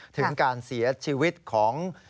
ถึงการเสียชีวิตของ